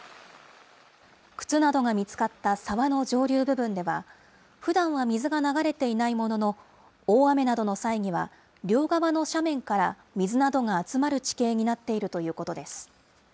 靴などが見つかった沢の上流部分では、ふだんは水が流れていないものの、大雨などの際には、両側の斜面から水などが集まる地形になっているということです。